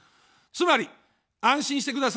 つまり、安心してください。